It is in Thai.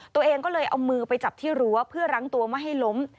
ตัวเองก็เลยเอามือไปจับที่รั้วเพื่อรั้งตัวไม่ให้ล้ม